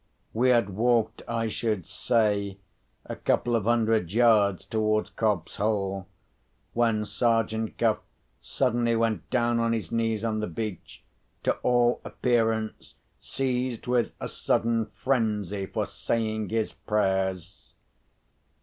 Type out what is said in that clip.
We had walked, I should say, a couple of hundred yards towards Cobb's Hole, when Sergeant Cuff suddenly went down on his knees on the beach, to all appearance seized with a sudden frenzy for saying his prayers.